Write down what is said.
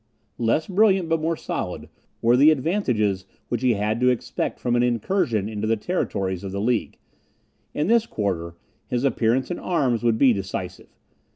Less brilliant, but more solid, were the advantages which he had to expect from an incursion into the territories of the League. In this quarter, his appearance in arms would be decisive.